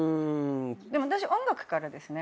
でも私音楽からですね。